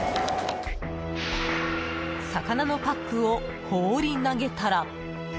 魚のパックを放り投げたら。